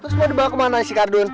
terus lu dibawa ke mana sih kak dun